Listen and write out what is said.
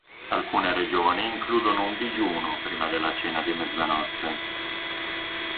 Alcune regioni includono un digiuno prima della cena di mezzanotte.